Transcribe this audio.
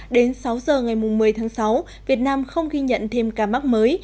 đến sáu giờ ngày một mươi tháng sáu việt nam không ghi nhận thêm ca mắc mới